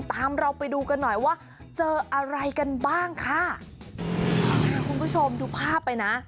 เราไปดูกันหน่อยว่าเจออะไรกันบ้างค่ะคุณผู้ชมดูภาพไปนะ